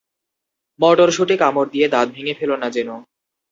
মটরশুটি কামড় দিয়ে দাঁত ভেঙ্গে ফেলো না যেন।